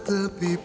aku akan pergi